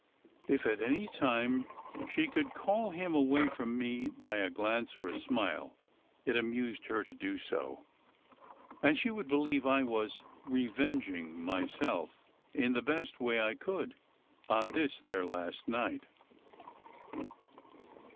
If at any time SECRET HISTORY 77 she could call him away from me by a glance or a smile, it amused her to do so; and she would believe I was "re venging" myself, in the best way I could, on this their last night.